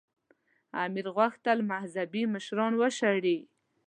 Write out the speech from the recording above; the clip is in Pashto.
امیر غوښتل مذهبي مشران وشړي.